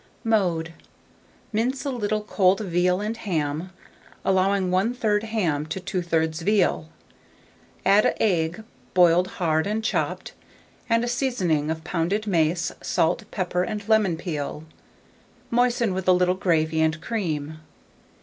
Mode. Mince a little cold veal and ham, allowing one third ham to two thirds veal; add an egg boiled hard and chopped, and a seasoning of pounded mace, salt, pepper, and lemon peel; moisten with a little gravy and cream.